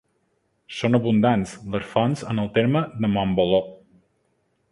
Són abundants, les fonts en el terme de Montboló.